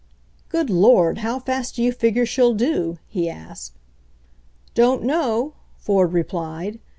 "Good Lord, how fast do you figure she'll do?" he asked. "Don't know," Ford replied.